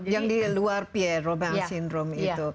yang di luar pierre robin syndrome itu